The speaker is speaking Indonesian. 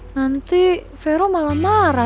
nanti vero malah marah